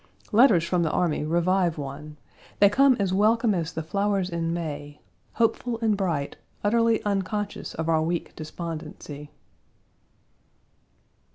Letters from the army revive one. They come as welcome as the flowers in May. Hopeful and bright, utterly unconscious of our weak despondency.